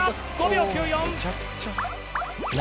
５秒９４！